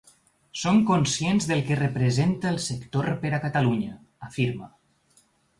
Som conscients del que representa el sector per a Catalunya, afirma.